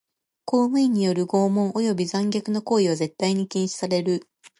公務員による拷問および残虐な行為は絶対に禁止される。